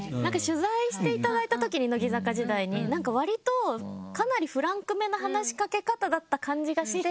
取材していただいたときに乃木坂時代になんか割とかなりフランクめな話しかけ方だった感じがして。